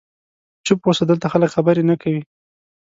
چوپ اوسه، دلته خلک خبرې نه کوي.